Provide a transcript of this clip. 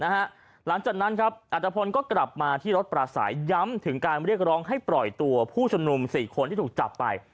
หลังจากนั้นครับอัตภพลก็กลับมาที่รถปราศัยย้ำถึงการเรียกร้องให้ปล่อยตัวผู้ชมนุม๔คนที่ถูกจับไป